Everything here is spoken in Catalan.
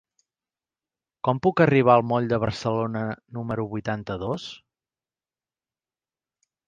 Com puc arribar al moll de Barcelona número vuitanta-dos?